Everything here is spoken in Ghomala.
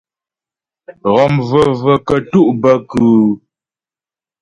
Ghɔm vəvə kətú' bə kʉ́ʉ́ ?